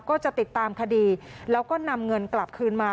ก็จะติดตามคดีแล้วก็นำเงินกลับคืนมา